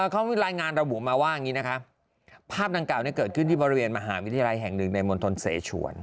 เขารายงานระบุมาว่าภาพดังกล่าวนี้เกิดขึ้นที่บริเวณมหาวิทยาลัยแห่งหนึ่งในมนตร์ทนเศษชวน